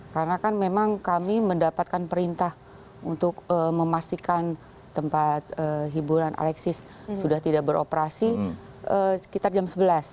karena kan memang kami mendapatkan perintah untuk memastikan tempat hiburan alexis sudah tidak beroperasi sekitar jam sebelas